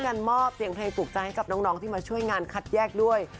ด้วยการมอบเสียงเพลงสุขใจกับน้องที่มาช่วยงานคัดแยกด้วย